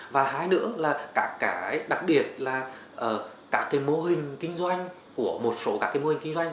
và hai nữa là các cái đặc biệt là các cái mô hình kinh doanh của một số các cái mô hình kinh doanh